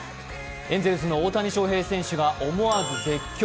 エンゼルスの大谷翔平選手が思わず絶叫！